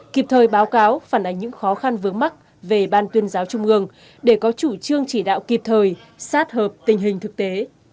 kịp thời báo cáo phản ánh những khó khăn vướng mắt về ban tuyên giáo trung ương để có chủ trương chỉ đạo kịp thời sát hợp tình hình thực tế